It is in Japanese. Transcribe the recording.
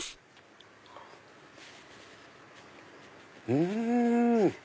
うん！